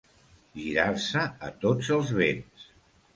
Girar-se a tots els vents.